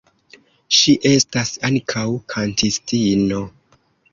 Ŝi estas ankaŭ kantistino.